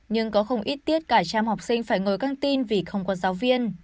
nhưng có không ít tiết cả trăm học sinh phải ngồi căng tin vì không có giáo viên